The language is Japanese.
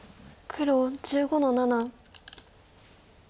黒１５の七。